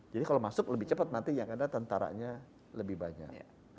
jadi kalau masuk lebih cepet nanti yang ada tentara nya lebih banyak